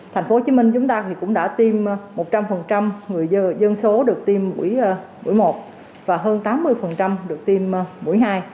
tp hcm chúng ta cũng đã tiêm một trăm linh dân số được tiêm mũi một và hơn tám mươi được tiêm mũi hai